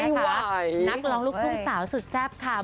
ตั้งไม่ไหวหว่าด้วยนักร้องลูกพลุงสาวสุดแทบค่ะ